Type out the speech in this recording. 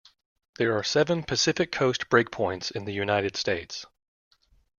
There are seven Pacific Coast breakpoints in the United States.